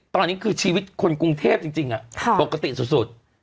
ตอนนี้คือชีวิตคนกรุงเทพจริงปกติสุด